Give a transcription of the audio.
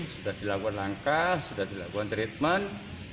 sudah dilakukan langkah sudah dilakukan treatment